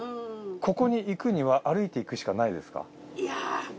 ここに行くには歩いていくしかないですか？